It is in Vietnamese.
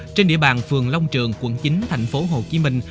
trên địa bàn phường long trường quận chín thành phố hồ chí minh